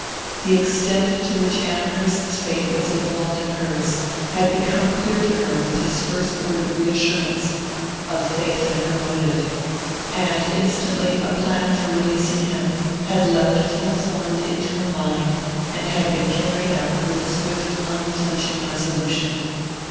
The extent to which Amherst's fate was involved in hers had become clear to her with his first word of reassurance, of faith in her motive. And instantly a plan for releasing him had leapt full formed into her mind, and had been carried out with swift unflinching resolution.